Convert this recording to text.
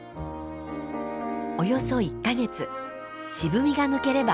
およそ１か月渋みが抜ければ完成。